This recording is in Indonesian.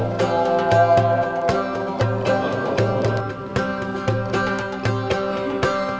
pada hari lalu